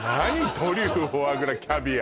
トリュフフォアグラキャビア